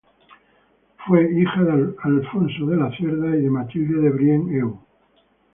Fue hija de Alfonso de la Cerda y de Matilde de Brienne-Eu.